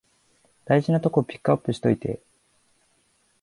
大事なとこピックアップしといて